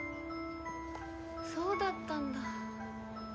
そうだったんだ。